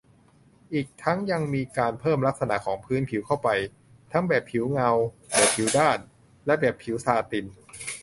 อีกทั้งยังมีการเพิ่มลักษณะของพื้นผิวเข้าไป ทั้งแบบผิวเงา แบบผิวด้าน และแบบผิวซาติน